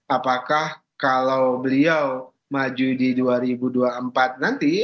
apakah kalau beliau maju di dua ribu dua puluh empat nanti